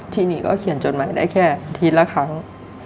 ทีนี้ก็เขียนจดหมายได้แค่ทีละครั้ง